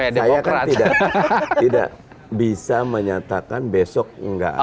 saya kan tidak bisa menyatakan besok nggak ada